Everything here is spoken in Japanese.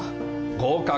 合格。